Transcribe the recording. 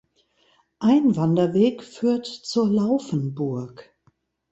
Ein Wanderweg führt zur Laufenburg.